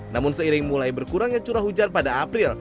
namun seiring mulai berkurangnya curah hujan pada april